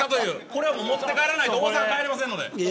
これは持って帰らないと大阪、帰れませんので。